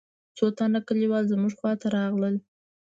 څو تنه کليوال زموږ خوا ته راغلل.